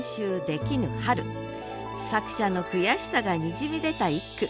作者の悔しさがにじみ出た一句。